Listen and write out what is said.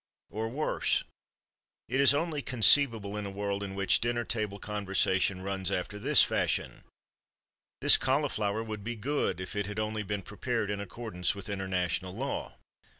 Or, worse: "It is only conceivable in a world in which dinner table conversation runs after this fashion: 'This cauliflower would be good if it had only been prepared in accordance with international law.